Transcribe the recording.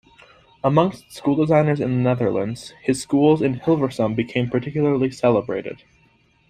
Amongst school designers in the Netherlands, his schools in Hilversum became particularly celebrated.